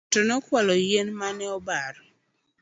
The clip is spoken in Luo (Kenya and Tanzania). Ng'ato nokwalo yien mane obaro